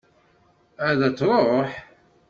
Ad d-tṛuḥ?